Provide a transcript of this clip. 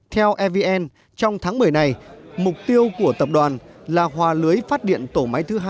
theo evn trong tháng một mươi này mục tiêu của tập đoàn là hòa lưới phát điện tổ máy thứ hai